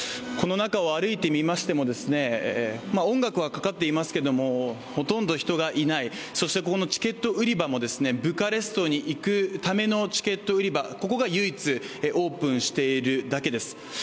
この中を歩いてみましても音楽はかかっていますけれども、ほとんど人がいない、そしてチケット売り場もブカレストに行くためのチケット売り場、ここが唯一オープンしているだけです。